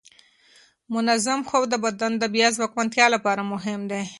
منظم خوب د بدن د بیا ځواکمنتیا لپاره مهم دی.